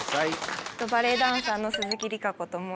バレエダンサーの鈴木里佳子と申します。